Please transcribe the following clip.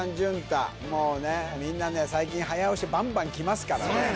淳太みんなね最近早押しバンバンきますからね